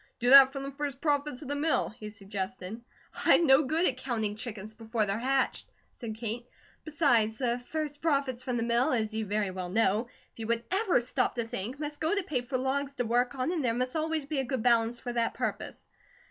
"Do that from the first profits of the mill," he suggested. "I'm no good at 'counting chickens before they're hatched,'" said Kate. "Besides, the first profits from the mill, as you very well know, if you would ever stop to think, must go to pay for logs to work on, and there must always be a good balance for that purpose.